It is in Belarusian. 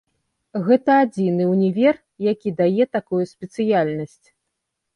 Гэта адзіны ўнівер, які дае такую спецыяльнасць.